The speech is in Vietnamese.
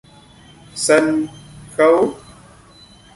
Sân khấu